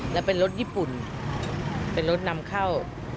และเป็นรถญี่ปุ่นเป็นรถนำเข้า